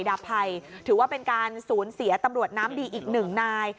ดาบภัยถือว่าเป็นการสูญเสียตำรวจน้ำดีอีกหนึ่งนาย